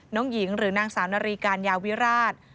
น้องหญิงหรือนางสาวนารีการยาวิราช